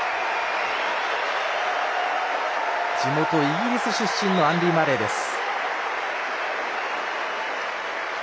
地元イギリス出身のアンディ・マレーです。